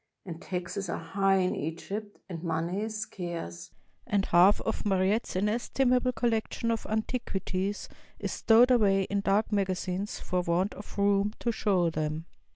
And taxes are high in Egypt, and money is scarce, and half of Mariette's inestimable collection of antiquities is stowed away in dark magazines for want of room to show them.